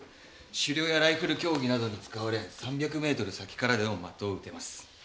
狩猟やライフル競技などに使われ３００メートル先からでも的を撃てます。